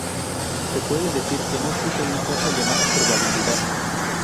Se puede decir que no existe una cosa llamada probabilidad.